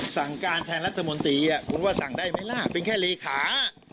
สั่งการแทนรัฐมนตรีคุณว่าสั่งได้ไหมล่ะเป็นแค่เลขา